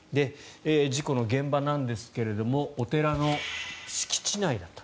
事故の現場なんですけれどもお寺の敷地内だった。